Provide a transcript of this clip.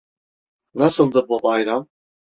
Nasıldı bu bayram?